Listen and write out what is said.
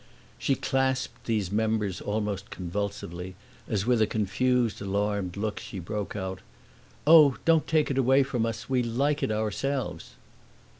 She clasped these members almost convulsively as, with a confused, alarmed look, she broke out, "Oh, don't take it away from us; we like it ourselves!"